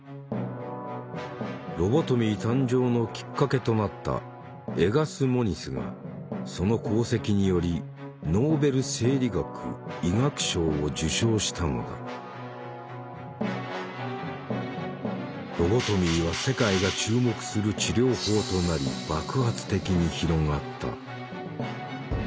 ロボトミー誕生のきっかけとなったエガス・モニスがその功績によりロボトミーは世界が注目する治療法となり爆発的に広がった。